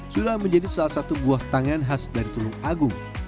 sudah menjadi salah satu buah tangan khas dari tulung agung